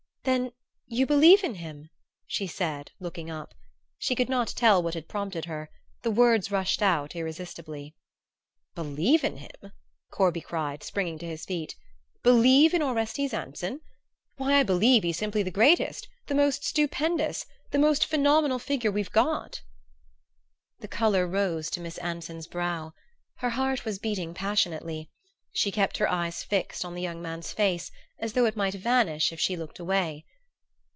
"Then you believe in him?" she said, looking up. She could not tell what had prompted her; the words rushed out irresistibly. "Believe in him?" Corby cried, springing to his feet. "Believe in Orestes Anson? Why, I believe he's simply the greatest the most stupendous the most phenomenal figure we've got!" The color rose to Miss Anson's brow. Her heart was beating passionately. She kept her eyes fixed on the young man's face, as though it might vanish if she looked away.